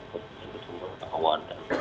pertumbuhan awan dan hujan